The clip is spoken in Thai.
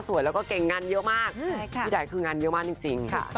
สาวเก่งขนาดนี้อยากจะให้มีคนมาดูแลหัวใจ